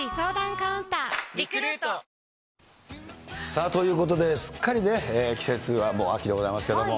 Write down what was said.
さあ、ということで、すっかりね、季節はもう秋でございますけれども。